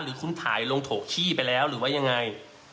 หรือคุณถ่ายลงโถกขี้ไปแล้วหรือว่ายังไง